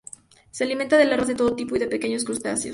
Se alimentan de larvas de todo tipo y pequeños crustáceos.